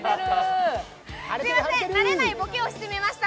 すいません、慣れないボケをしてみました。